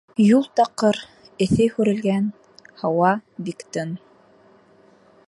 Юл таҡыр, эҫе һүрелгән, һауа бик тын.